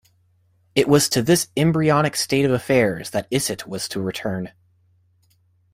It was to this embroyonic state of affairs that Isitt was to return.